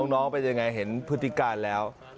น้องเป็นยังไงเห็นพฤติการแล้ว